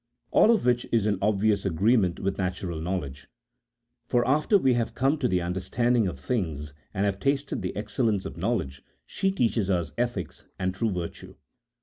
All of which is in obvious agreement with natural knowledge : for after we have come to the understanding of things, and have tasted the excel lence of knowledge, she teaches us ethics and true virtue.